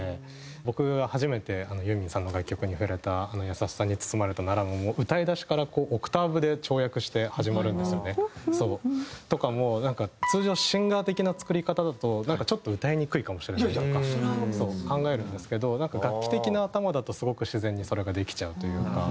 僕が初めてユーミンさんの楽曲に触れた『やさしさに包まれたなら』ももう歌い出しからオクターブで跳躍して始まるんですよね。とかもなんか通常シンガー的な作り方だとなんかちょっと歌いにくいかもしれないとか考えるんですけど楽器的な頭だとすごく自然にそれができちゃうというか。